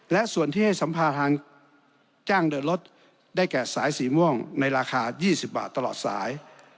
และส่วนที่ให้สัมภาษณ์ทางจ้างเดินรถได้แก่สายสีม่วงในราคา๒๐บาทตลอดสาย